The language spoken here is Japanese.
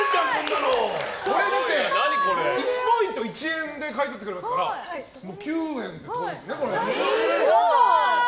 だって、１ポイント１円で買い取ってくれますから９円ってことですね。